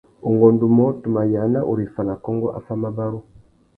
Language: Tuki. Ungôndumô, tu mà yāna ureffa nà kônkô affámabarú.